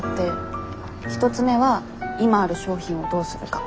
１つ目は「今ある商品をどうするか」。